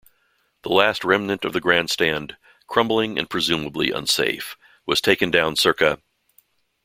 The last remnant of the grandstand, crumbling and presumably unsafe, was taken down ca.